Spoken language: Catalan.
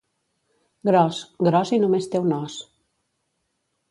Gros, gros i només té un os.